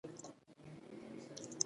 د سیکهانو مشرانو فیصله کړې ده.